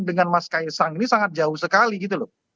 dengan mas kaisang ini sangat jauh sekali gitu loh